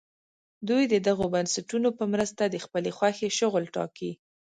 دوی د دغو بنسټونو په مرسته د خپلې خوښې شغل ټاکي.